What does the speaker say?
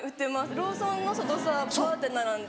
ローソンの外さバって並んで。